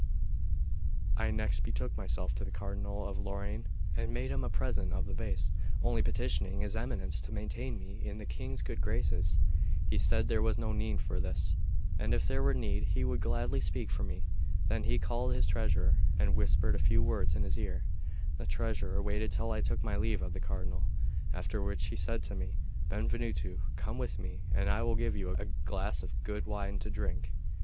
I next betook myself to the Cardinal of Lorraine, and made him a present of the vase, only petitioning his Eminence to maintain me in the King's good graces. He said there was no need for this; and if there were need he would gladly speak for me. Then he called his treasurer, and whispered a few words in his ear. The treasurer waited till I took my leave of the Cardinal; after which he said to me: "Benvenuto, come with me, and I will give you a glass of good wine to drink."